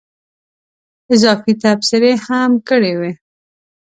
اضافي تبصرې هم کړې وې.